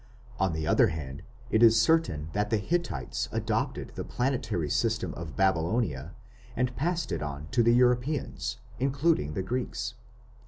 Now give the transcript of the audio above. On the other hand it is certain that the Hittites adopted the planetary system of Babylonia and passed it on to Europeans, including the Greeks.